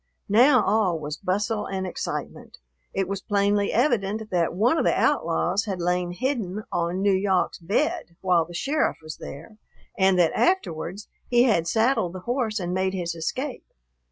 Now all was bustle and excitement. It was plainly evident that one of the outlaws had lain hidden on N'Yawk's bed while the sheriff was there, and that afterwards he had saddled the horse and made his escape.